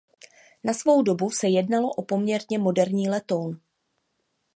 Na svou dobu se jednalo o poměrně moderní letoun.